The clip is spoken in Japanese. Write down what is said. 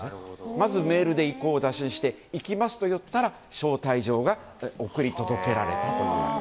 まずメールで意向を確認して行きますと言ったら招待状が送り届けられたと。